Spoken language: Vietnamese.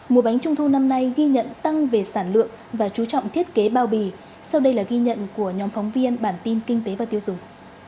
mùa bánh trung thu năm nay ghi nhận tăng về sản lượng và chú trọng thiết kế bao bì sau đây là ghi nhận của nhóm phóng viên bản tin kinh tế và tiêu dùng